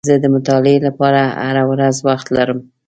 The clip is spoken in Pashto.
زه د مطالعې لپاره هره ورځ وخت لرم.